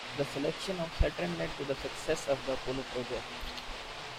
The selection of Saturn led to the success of the Apollo project.